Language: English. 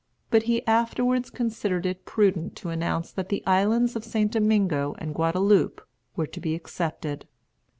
But he afterwards considered it prudent to announce that the islands of St. Domingo and Guadaloupe were to be excepted.